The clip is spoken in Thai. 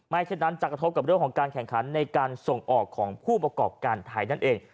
เช่นนั้นจะกระทบกับเรื่องของการแข่งขันในการส่งออกของผู้ประกอบการไทยนั่นเอง